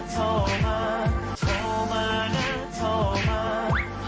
โทรมานะโทรมา